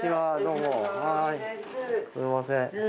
すみません。